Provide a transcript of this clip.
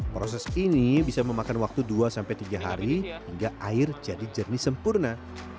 proses ini bisa memakan waktu dua sampai tiga hari hingga air jadi jernih sempurna